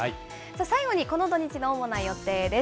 最後にこの土日の主な予定です。